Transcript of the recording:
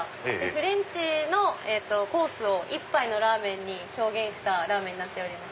フレンチのコースを１杯のラーメンに表現したラーメンになっております。